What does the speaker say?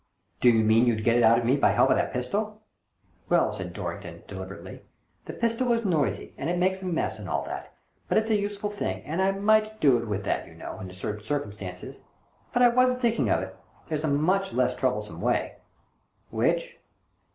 " Do you mean you'd get it out of me by help of that pistol ?" "Well," said Dorrington, deliberately, "the pistol is noisy, and it makes a mess, and all that, but it's a useful thing, and I might do it with that, you know, in certain circumstances. But I wasn't thinking of it — there's a much less troublesome way." "Which?"